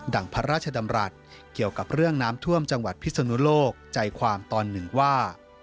่งพระราชดำรัฐเกี่ยวกับเรื่องน้ำท่วมจังหวัดพิศนุโลกใจความตอนหนึ่งว่า